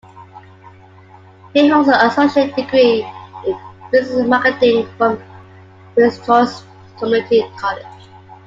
He holds an associate degree in business marketing from Prince George's Community College.